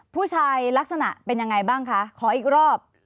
ลักษณะเป็นยังไงบ้างคะขออีกรอบ